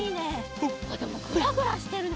でもグラグラしてるね。